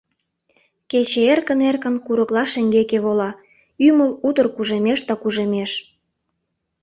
Кече эркын-эркын курыкла шеҥгеке вола, ӱмыл утыр кужемеш да кужемеш.